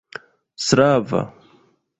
slava